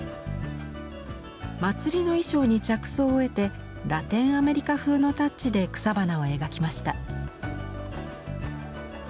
祭りの衣装に着想を得てラテンアメリカ風のタッチで草花を描きました。